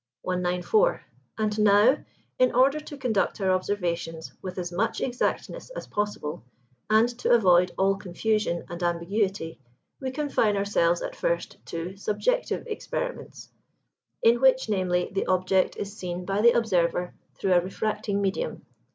194. And now, in order to conduct our observations with as much exactness as possible, and to avoid all confusion and ambiguity, we confine ourselves at first to SUBJECTIVE EXPERIMENTS, in which, namely, the object is seen by the observer through a refracting medium.